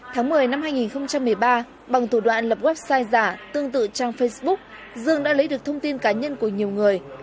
tháng một mươi năm hai nghìn một mươi ba bằng thủ đoạn lập website giả tương tự trang facebook dương đã lấy được thông tin cá nhân của nhiều người